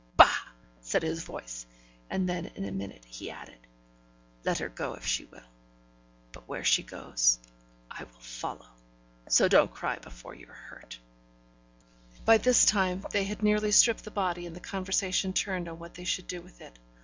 'Bah!' said his voice; and then in a minute he added, 'Let her go if she will. But, where she goes, I will follow; so don't cry before you're hurt.' By this time, they had nearly stripped the body; and the conversation turned on what they should do with it.